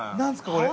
これ？